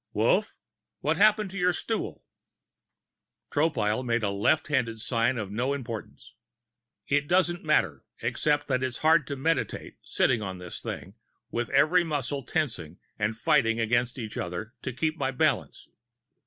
"Wolf, what happened to your stool?" Tropile made a left handed sign of no importance. "It doesn't matter. Except it is hard to meditate, sitting on this thing, with every muscle tensing and fighting against every other to keep my balance...."